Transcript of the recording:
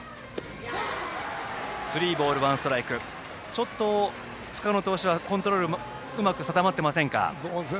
ちょっと深野投手はコントロールがうまく定まってませんか。